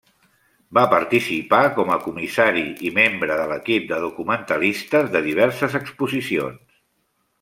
Va participar com a comissari i membre de l'equip de documentalistes de diverses exposicions.